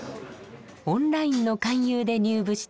オンラインの勧誘で入部した１年生。